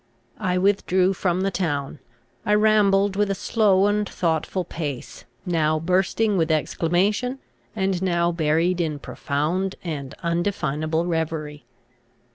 I withdrew from the town; I rambled with a slow and thoughtful pace, now bursting with exclamation, and now buried in profound and undefinable reverie.